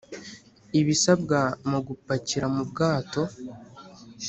ibisabwa mu gupakira mu bwato